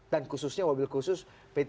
dan khususnya wabil khusus p tiga